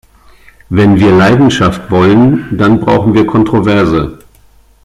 Wenn wir Leidenschaft wollen, dann brauchen wir Kontroverse.